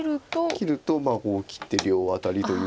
切るとこう切って両アタリという。